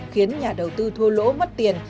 khiến nhà đầu tư thua lỗ mất tiền